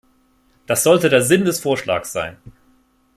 Das sollte der Sinn des Vorschlags sein.